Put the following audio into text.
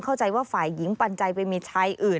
เข้าใจว่าฝ่ายหญิงปันใจไปมีชายอื่น